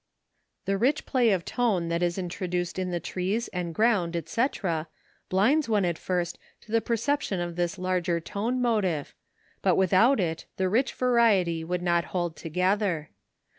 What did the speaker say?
The rich play of tone that is introduced in the trees and ground, &c., blinds one at first to the perception of this larger tone motive, but without it the rich variety would not hold together.